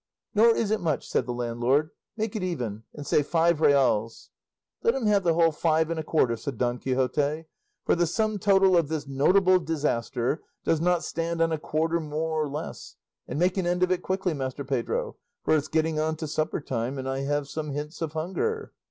"Nor is it much," said the landlord; "make it even, and say five reals." "Let him have the whole five and a quarter," said Don Quixote; "for the sum total of this notable disaster does not stand on a quarter more or less; and make an end of it quickly, Master Pedro, for it's getting on to supper time, and I have some hints of hunger."